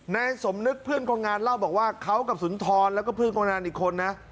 นายสมนึกเพื่อนคนงานเล่าบอกว่าเขากับสุนทรแล้วก็เพื่อนคนงานอีกคนนะ